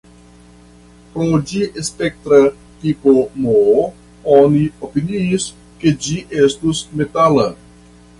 Pro ĝi spektra tipo M, oni opiniis, ke ĝi estus metala.